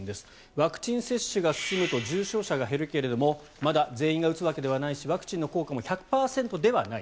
ワクチン接種が進むと重症者が減るけれどもまだ全員が打つわけではないしワクチンの効果は１００％ではない。